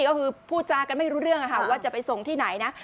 ก็คือพูดจากันไม่รู้เรื่องว่าจะไปส่งที่ไหนนะ